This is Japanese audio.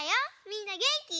みんなげんき？